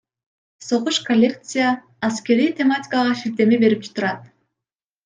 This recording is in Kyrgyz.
Согуш Коллекция аскерий тематикага шилтеме берип турат.